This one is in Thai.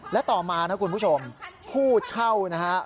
และต่อมาคุณผู้ชมผู้เช่านะครับ